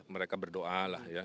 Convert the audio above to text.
mereka berdoa lah ya